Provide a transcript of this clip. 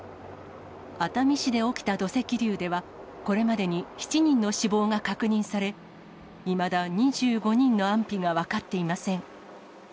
熱海市で起きた土石流では、これまでに７人の死亡が確認され、いまだ２５人の安否が分かっていません。